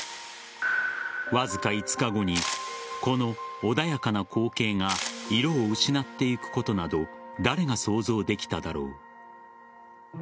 わずか５日後にこの穏やかな光景が色を失っていくことなど誰が想像できただろう。